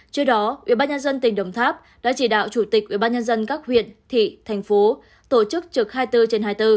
trước đó ubnd tỉnh đồng tháp đã chỉ đạo chủ tịch ubnd các huyện thị thành phố tổ chức trực hai mươi bốn trên hai mươi bốn